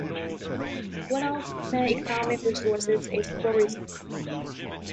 One of Quillacollo's main economic resources is tourism.